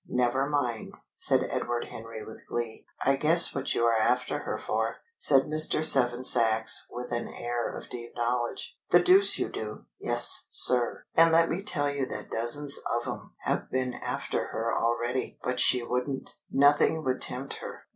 "Never mind!" said Edward Henry with glee. "I guess what you are after her for," said Mr. Seven Sachs, with an air of deep knowledge. "The deuce you do!" "Yes, sir! And let me tell you that dozens of 'em have been after her already. But she wouldn't! Nothing would tempt her."